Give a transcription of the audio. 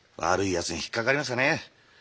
悪いやつに引っかかりましたね。